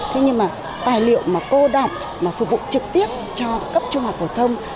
thế nhưng mà tài liệu mà cô đọc mà phục vụ trực tiếp cho cấp trung học phổ thông